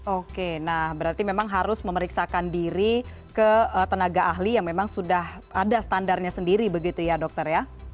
oke nah berarti memang harus memeriksakan diri ke tenaga ahli yang memang sudah ada standarnya sendiri begitu ya dokter ya